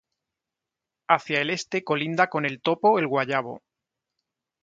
Hacia el Este colinda con el topo El Guayabo.